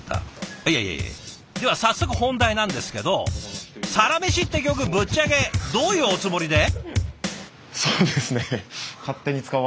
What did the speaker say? いやいやいやいやでは早速本題なんですけど「サラメシ」って曲ぶっちゃけどういうおつもりで？